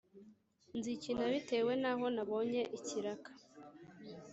nzikina bitewe n’aho nabonye ikiraka.